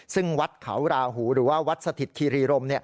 ซึ่งวัดเขาราหูหรือว่าวัดสถิตคีรีรม